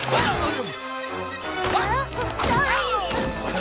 あ！